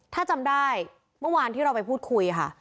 ถ้าจำได้เมื่อวานที่เราไปพูดคุยค่ะ